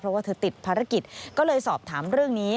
เพราะว่าเธอติดภารกิจก็เลยสอบถามเรื่องนี้